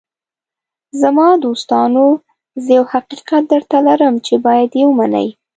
“زما دوستانو، زه یو حقیقت درته لرم چې باید یې ومنئ.